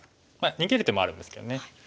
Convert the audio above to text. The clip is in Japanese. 逃げる手もあるんですけどね。